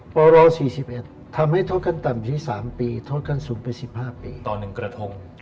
ปร๔๑ทำให้โทษขั้นต่ำอยู่ที่๓ปีโทษขั้นสูงไป๑๕ปีต่อ๑กระทง